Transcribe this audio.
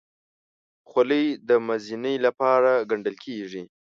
خولۍ د مزینۍ لپاره ګنډل کېږي.